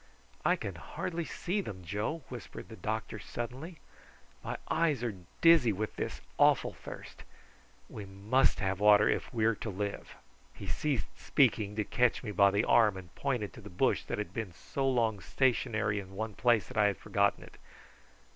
"I can hardly see them, Joe," whispered the doctor suddenly; "my eyes are dizzy with this awful thirst. We must have water if we are to live." He ceased speaking to catch me by the arm, and point to the bush that had been so long stationary in one place that I had forgotten it.